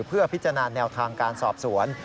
เพื่อพิจารณาแนวทางการสอบสวน